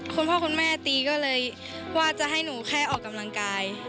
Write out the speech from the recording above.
คุณพ่อคุณแม่ตีก็เลยว่าจะให้หนูแค่ออกกำลังกาย